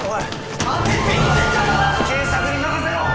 警察に任せろ！